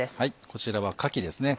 こちらはカキですね。